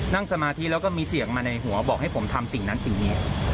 สมาธิแล้วก็มีเสียงมาในหัวบอกให้ผมทำสิ่งนั้นสิ่งนี้